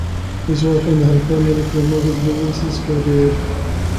His wife and her family promoted Lewis's career.